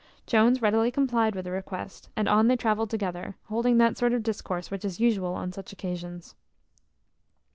Jones readily complied with the request; and on they travelled together, holding that sort of discourse which is usual on such occasions.